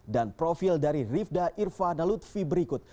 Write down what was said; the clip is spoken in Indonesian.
dan profil dari rivda irva nalutvi berikut